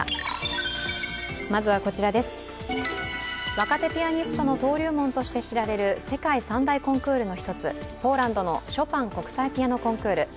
若手ピアニストの登竜門として知られる世界三大コンクールの一つポーランドのショパン国際ピアノ・コンクール。